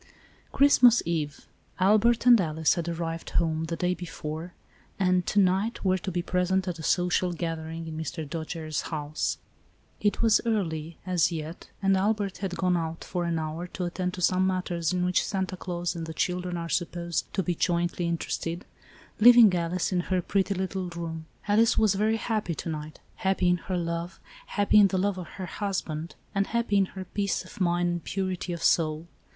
Christmas eve. Albert and Alice had arrived home, the day before, and, to night, were to be present at a social gathering in Mr. Dojere's house. It was early, as yet, and Albert had gone out, for an hour, to attend to some matters in which Santa Claus and the children are supposed to be jointly interested, leaving Alice in her pretty little room. Alice was very happy to night, happy in her love, happy in the love of her husband and happy in her peace of mind and purity of soul.